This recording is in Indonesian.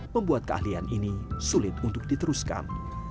membuat keahlian ini sulit untuk diteruskan